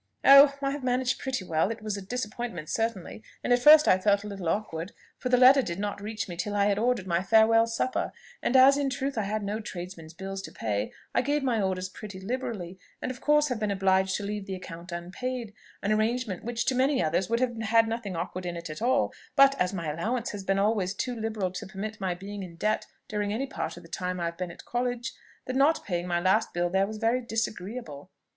"Oh! I have managed pretty well. It was a disappointment certainly, and at first I felt a little awkward, for the letter did not reach me till I had ordered my farewell supper; and as in truth I had no tradesmen's bills to pay, I gave my orders pretty liberally, and of course have been obliged to leave the account unpaid, an arrangement which to many others would have had nothing awkward in it at all; but as my allowance has been always too liberal to permit my being in debt during any part of the time I have been at college, the not paying my last bill there was disagreeable.